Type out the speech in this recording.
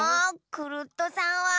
クルットさんは！